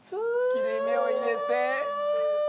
切れ目を入れて。